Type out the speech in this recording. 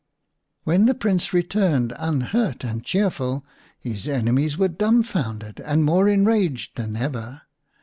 When the Prince returned unhurt and cheerful his enemies were dumbfounded and more enraged than ever.